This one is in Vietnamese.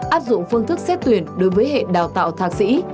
áp dụng phương thức xét tuyển đối với hệ đào tạo thạc sĩ